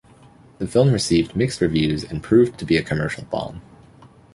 The film received mixed reviews and proved to be a commercial bomb.